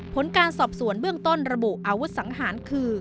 ผลการสอบสวนเบื้องต้นระบุอาวุธสังหารคือ